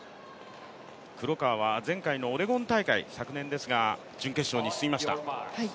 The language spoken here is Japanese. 黒川は前回のオレゴン大会、昨年ですが準決勝に進みました。